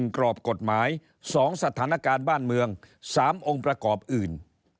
กรอบกฎหมาย๒สถานการณ์บ้านเมือง๓องค์ประกอบอื่น